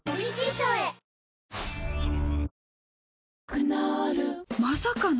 クノールまさかの！？